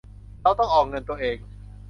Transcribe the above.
เราต้องออกเงินตัวเอง